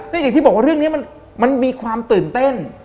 นี่อย่างที่บอกว่าเรื่องนี้มันมีความตื่นเต้น